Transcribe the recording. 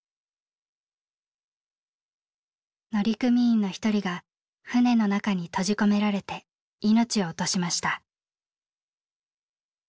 乗組員の１人が船の中に閉じ込められて命を落としました。